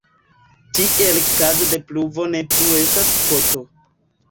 Tiel kaze de pluvo ne plu estas koto.